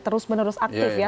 terus menerus aktif ya